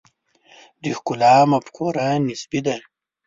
د ښکلا مفکوره نسبي ده.